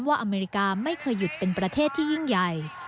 อเมริกาไม่เคยหยุดเป็นประเทศที่ยิ่งใหญ่